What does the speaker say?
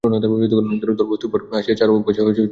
অনেক দরদস্তুরের পর আসিয়া চার পয়সায় দাঁড়াইল।